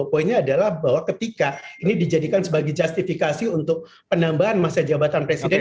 poinnya adalah bahwa ketika ini dijadikan sebagai justifikasi untuk penambahan masa jabatan presiden